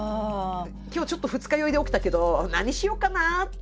今日ちょっと二日酔いで起きたけど何しようかなっていう。